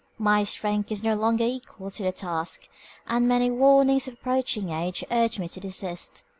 My strength is no longer equal to the task, and many warnings of approaching age urge me to desist.